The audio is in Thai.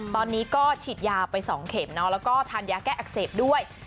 ตอนนี้ก็ฉีดยาไป๒เข็มแล้วก็ทานยาแก้อักเสบด้วย